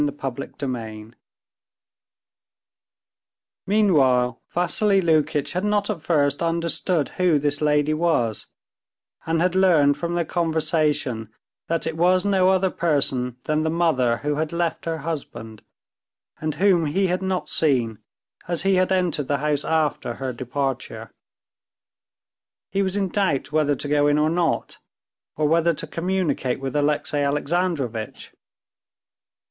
Chapter 30 Meanwhile Vassily Lukitch had not at first understood who this lady was, and had learned from their conversation that it was no other person than the mother who had left her husband, and whom he had not seen, as he had entered the house after her departure. He was in doubt whether to go in or not, or whether to communicate with Alexey Alexandrovitch.